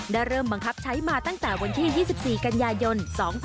เริ่มบังคับใช้มาตั้งแต่วันที่๒๔กันยายน๒๕๖๒